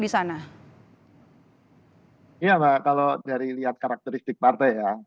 iya mbak kalau dari lihat karakteristik partai ya